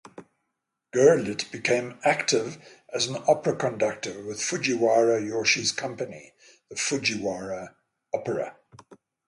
Gurlitt became active as an opera conductor with Fujiwara Yoshie's company, the Fujiwara Opera.